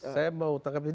saya mau tangkap sedikit